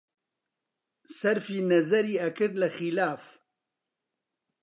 سەرفی نەزەری ئەکرد لە خیلاف